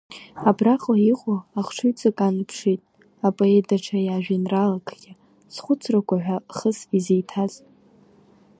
Абраҟа иҟоу ахшыҩҵак аныԥшит апоет даҽа иажәеинраалакгьы, Схәыцрақәа ҳәа, хыс изиҭаз.